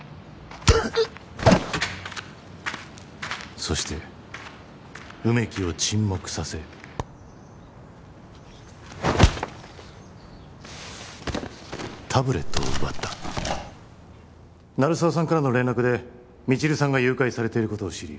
そして梅木を沈黙させタブレットを奪った鳴沢さんからの連絡で未知留さんが誘拐されていることを知り